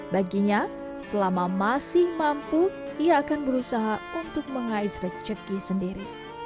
baginya selama masih mampu ia akan berusaha untuk mengais rejeki sendiri